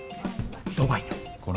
ドバイの。